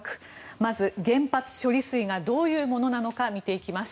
まず、原発処理水がどういうものなのか見ていきます。